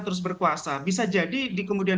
terus berkuasa bisa jadi di kemudian